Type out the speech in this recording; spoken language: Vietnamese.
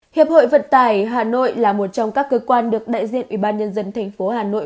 hiệp hội vận tải hà nội là một trong các cơ quan được đại diện ubnd tp hà nội